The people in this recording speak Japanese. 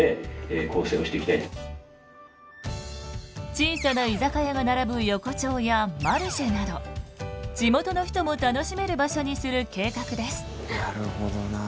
小さな居酒屋が並ぶ横丁やマルシェなど地元の人も楽しめる場所にする計画です。